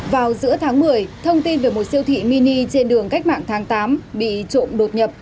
vào giữa tháng một mươi thông tin về một siêu thị mini trên đường cách mạng tháng tám bị trộm đột nhập